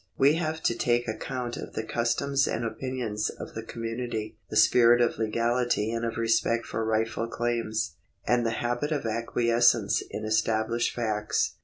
We have to take account of the customs and opinions of the com munity, the spirit of legality and of respect for rightful claims, and the habit of acquiescence in established facts.